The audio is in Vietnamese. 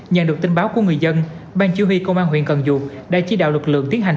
nhận được tin báo của người dân ban chứ huy công an huyện cần dược đã chỉ đạo lực lượng tiến hành